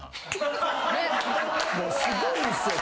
もうすごいんすよ